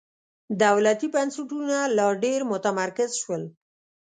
دولتي بنسټونه لا ډېر متمرکز شول.